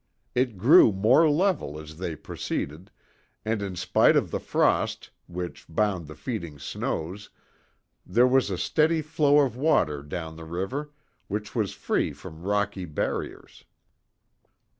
It grew more level as they proceeded, and in spite of the frost, which bound the feeding snows, there was a steady flow of water down the river, which was free from rocky barriers.